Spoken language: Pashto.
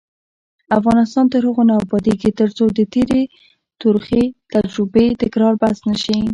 افغانستان تر هغو نه ابادیږي، ترڅو د تېرې تروخې تجربې تکرار بس نه شي.